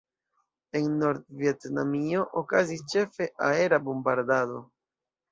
En Nord-Vjetnamio okazis ĉefe aera bombardado.